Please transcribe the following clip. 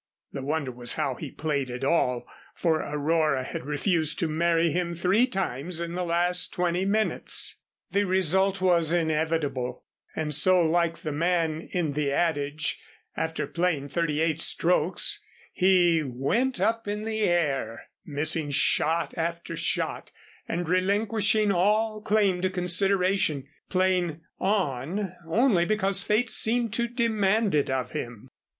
The wonder was how he played at all, for Aurora had refused to marry him three times in the last twenty minutes. The result was inevitable, and so like the man in the adage, after playing thirty eight strokes, he "went up in the air," missing shot after shot and relinquishing all claim to consideration, playing on only because fate seemed to demand it of him.